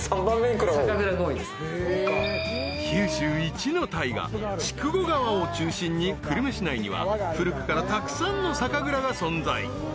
［九州一の大河筑後川を中心に久留米市内には古くからたくさんの酒蔵が存在］